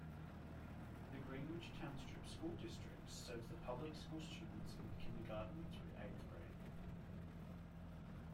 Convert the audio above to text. The Greenwich Township School District serves public school students in kindergarten through eighth grade.